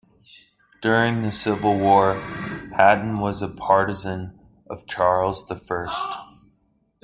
During the Civil War, Hatton was a partisan of Charles the First.